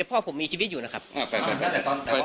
แต่พ่อผมยังมีชีวิตอยู่นะครับพูดประโยคนี้ประมาณ๓รอบ